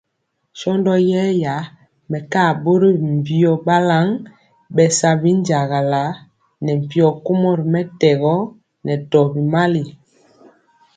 Shɔndɔ yɛra mɛkaa ɓɔri mbio balan bɛ sa binjagala ne mpyo kumɔ ri mɛtɛgɔ nɛ tɔbi mali.